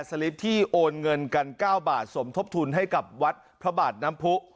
ลิปที่โอนเงินกัน๙บาทสมทบทุนให้กับวัดพระบาทน้ำผู้